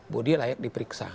bodi layak diperiksa